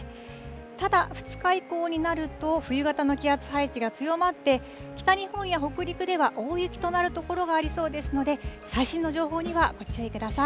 ただ２日以降になると、冬型の気圧配置が強まって、北日本や北陸では大雪となる所がありそうですので、最新の情報にはご注意ください。